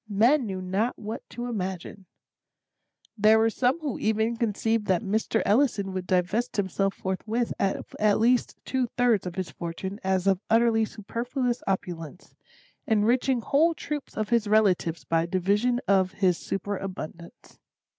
Men knew not what to imagine. There were some who even conceived that Mr. Ellison would divest himself forthwith of at least two thirds of his fortune as of utterly superfluous opulence; enriching whole troops of his relatives by division of his superabundance.